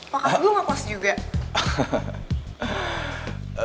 pak kasbu gak puas juga